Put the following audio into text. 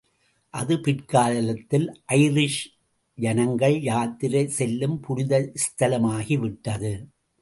அது பிற்காலத்தில் ஐரிஷ் ஜனங்கள் யாத்திரை செல்லும் புனித ஸ்தலமாகி விட்டது!